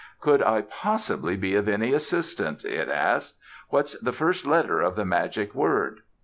"Could I possibly be of any assistance?" it asked. "What's the first letter of the magic word?"